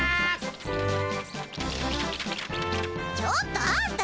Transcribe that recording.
ちょっとあんた！